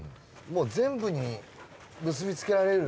全部に結び付けられる。